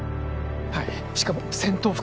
はいしかも戦闘服